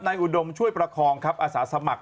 อุดมช่วยประคองครับอาสาสมัคร